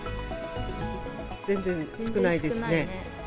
全然少ないですね。